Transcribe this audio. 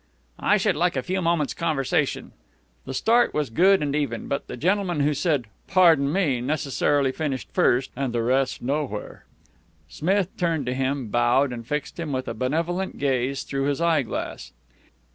"I should like a few moments' conversation." The start was good and even, but the gentleman who said "Pardon me!" necessarily finished first, with the rest nowhere. Smith turned to him, bowed, and fixed him with a benevolent gaze through his eyeglass.